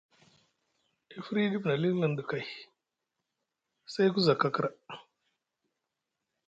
E firyi ɗif na liŋliŋ ɗa kay, say ku za kakra.